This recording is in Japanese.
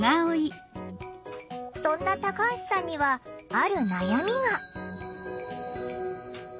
そんなタカハシさんにはある悩みが。